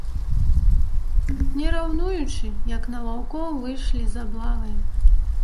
Не раўнуючы, як на ваўкоў выйшлі з аблавай.